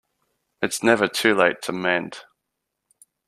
It's never too late to mend.